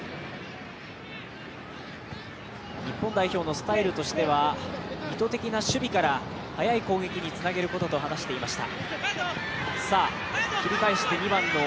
日本代表のスタイルとしてはいとてきな守備から速い攻撃につなげることと話していました。